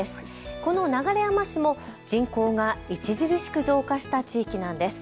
この流山市も人口が著しく増加した地域なんです。